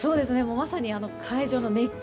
まさに会場の熱気